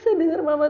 kamu harus sadar